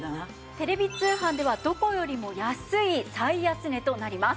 テレビ通販ではどこよりも安い最安値となります。